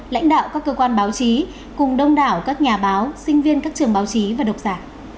lãnh đạo các cơ quan báo chí cùng đông đảo các nhà báo sinh viên các trường báo chí và độc giả